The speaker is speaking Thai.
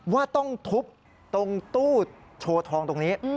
ว่าต้องทุบตรงตู้โชว์ทองตรงนี้